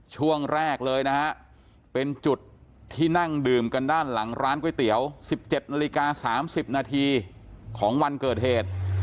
ช่วงแรกเลยนะฮะเป็นจุดที่นั่งดื่มกันด้านหลังร้านก๋วยเตี๋ยว๑๗นาฬิกา๓๐นาทีของวันเกิดเหตุ